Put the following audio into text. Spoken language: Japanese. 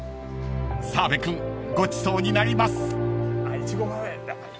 ［澤部君ごちそうになります］